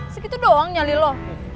sekitu doang nyali lo